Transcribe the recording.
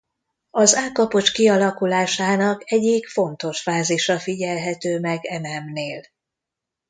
Az állkapocs kialakulásának egyik fontos fázisa figyelhető meg e nemnél.